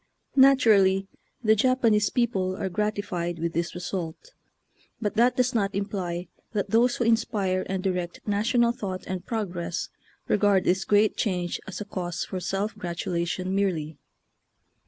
Natu rally the Japanese people are gratified with this result, but that does not imply that those who inspire and direct national thought and progress regard this great change as a cause for self gratulation merely.